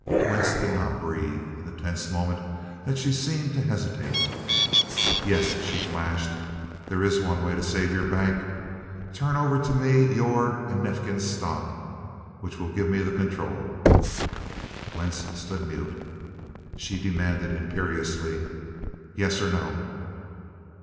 Wentz did not breathe, in the tense moment that she seemed to hesitate. "Yes," she flashed, "there is one way to save your bank; turn over to me your and Neifkins' stock, which will give me the control." Wentz stood mute. She demanded imperiously: "Yes or no?"